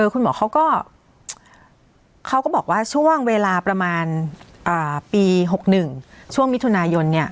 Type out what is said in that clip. คุณหมอเขาก็บอกว่าช่วงเวลาประมาณปี๖๑ช่วงมิถุนายน